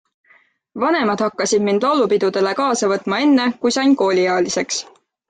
Vanemad hakkasid mind laulupidudele kaasa võtma enne, kui sain kooliealiseks.